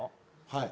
はい。